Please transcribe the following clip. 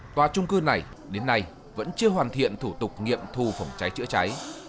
tòa trung cư này đến nay vẫn chưa hoàn thiện thủ tục nghiệm thu phòng cháy chữa cháy